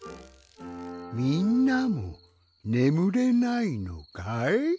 みんなもねむれないのかい？